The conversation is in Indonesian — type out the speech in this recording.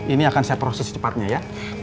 ini akan saya proses secepatnya ya